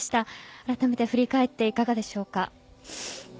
あらためて振り返っていかがでしょうか？